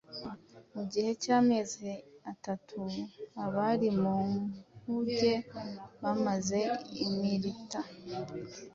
Mu gihe cy’amezi atatu abari mu nkuge bamaze i Milita,